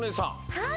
はい。